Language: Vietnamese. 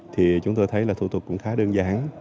thì chúng tôi thấy là thủ tục cũng khá đơn giản